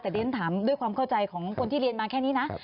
แต่ดิฉันถามด้วยความเข้าใจของคนที่เรียนมาแค่นี้นะ